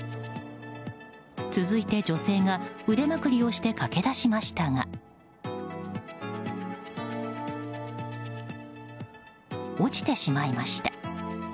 続いて女性が腕まくりをして駆け出しましたが落ちてしまいました。